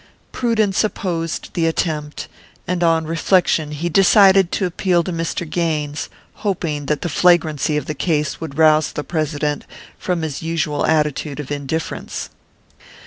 Prudence opposed the attempt, and on reflection he decided to appeal to Mr. Gaines, hoping that the flagrancy of the case would rouse the President from his usual attitude of indifference.